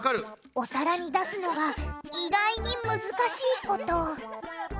お皿に出すのが意外に難しいこと。